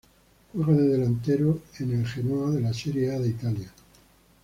Juega de delantero en el Genoa de la Serie A de Italia.